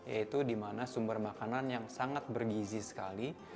yaitu dimana sumber makanan yang sangat bergizi sekali